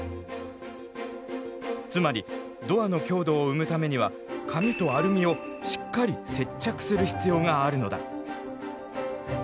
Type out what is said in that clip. つまりドアの強度を生むためには紙とアルミをしっかり接着する必要があるのだ。